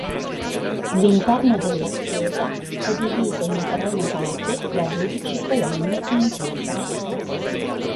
L'interno della chiesa è diviso in tre navate da dodici colonne in pietra.